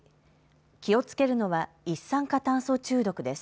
気をつけるのは一酸化炭素中毒です。